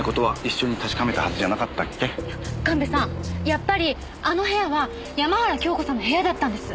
やっぱりあの部屋は山原京子さんの部屋だったんです。